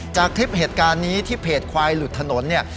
จากคลิปเหตุการณ์นี้ที่เพจควายหลุดถนนเนี่ย